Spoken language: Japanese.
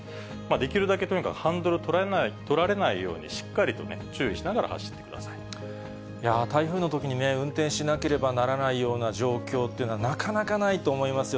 できるだけとにかくハンドル取られないように、しっかりとね、いやー、台風のときに運転しなければならないような状況っていうのは、なかなかないと思いますよ。